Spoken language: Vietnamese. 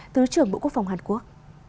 thứ trưởng bộ quốc phòng hàn quốc